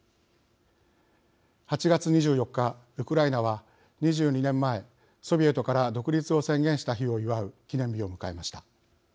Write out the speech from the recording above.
８月２４日、ウクライナは２２年前、ソビエトから独立を宣言した日を祝う記念日を迎えました。